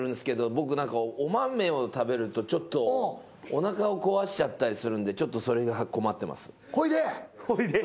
僕お豆を食べるとちょっとおなかを壊しちゃったりするんでそれが困ってます。